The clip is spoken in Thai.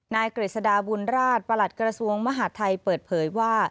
กฤษฎาบุญราชประหลัดกระทรวงมหาดไทยเปิดเผยว่า